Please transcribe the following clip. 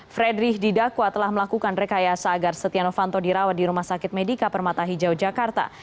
fredrich didakwa telah melakukan rekayasa agar setia novanto dirawat di rumah sakit medika permata hijau jakarta